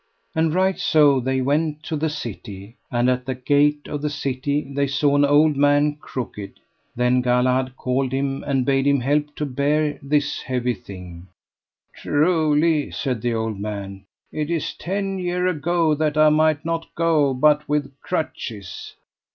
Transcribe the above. And right so they went to the city, and at the gate of the city they saw an old man crooked. Then Galahad called him and bade him help to bear this heavy thing. Truly, said the old man, it is ten year ago that I might not go but with crutches.